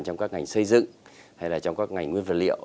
trong các ngành xây dựng hay là trong các ngành nguyên vật liệu